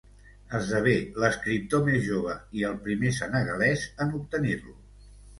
Esdevé l'escriptor més jove, i el primer senegalès, en obtenir-lo.